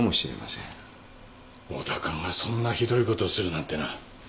小田君がそんなひどいことするなんてな。